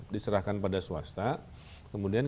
diserahkan pada swasta kemudian